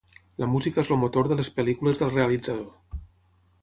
La música és el motor de les pel·lícules del realitzador.